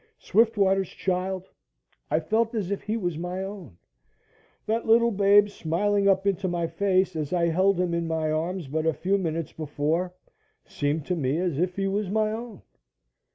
Swiftwater's child, I felt as if he was my own that little babe smiling up into my face as I had held him in my arms but a few minutes before, seemed to me as if he was my own.